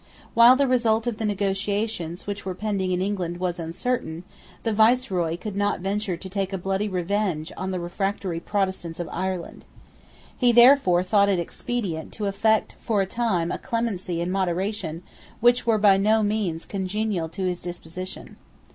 While the result of the negotiations which were pending in England was uncertain, the Viceroy could not venture to take a bloody revenge on the refractory Protestants of Ireland. He therefore thought it expedient to affect for a time a clemency and moderation which were by no means congenial to his disposition.